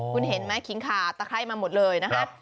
คุณเห็นไหมขิงขาตะไคร้มาหมดเลยนะฮะ